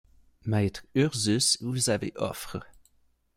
Maître Ursus, vous avez offre.